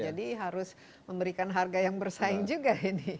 jadi harus memberikan harga yang bersaing juga ini